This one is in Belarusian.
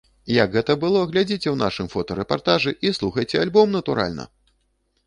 Як гэта было, глядзіце ў нашым фотарэпартажы, і слухайце альбом, натуральна!